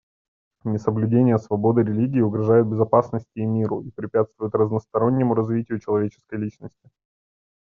Несоблюдение свободы религии угрожает безопасности и миру и препятствует разностороннему развитию человеческой личности.